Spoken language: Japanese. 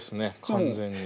完全に。